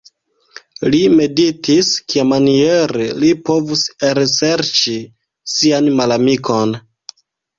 Li meditis, kiamaniere li povus elserĉi sian malamikon.